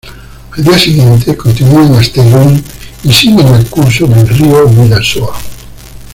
Al día siguiente continúan hasta Irún, y siguen el curso del río Bidasoa.